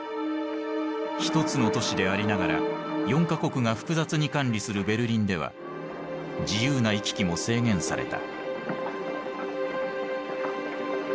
一つの都市でありながら４か国が複雑に管理するベルリンでは自由な行き来も制限された。